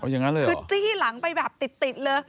อย่างนั้นเลยเหรอคือจี้หลังไปแบบติดเลย